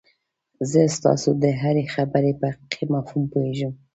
زه ستاسو د هرې خبرې په حقيقي مفهوم پوهېږم.